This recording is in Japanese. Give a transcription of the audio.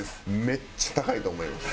めっちゃ高いと思います。